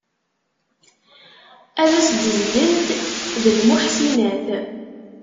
Ad as-d-zgent d lmuḥsinat.